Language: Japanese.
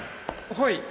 はい。